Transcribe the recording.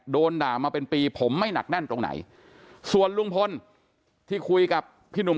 โดนด่ามาเป็นปีผมไม่หนักแน่นตรงไหนส่วนลุงพลที่คุยกับพี่หนุ่ม